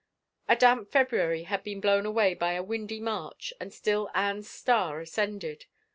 A damp February had been blown away by a windy March and still Anne's star ascended.